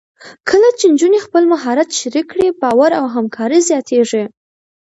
کله چې نجونې خپل مهارت شریک کړي، باور او همکاري زیاتېږي.